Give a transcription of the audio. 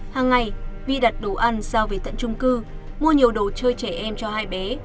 hàng ngày vi đặt đồ ăn giao về tận trung cư mua nhiều đồ chơi trẻ em cho hai bé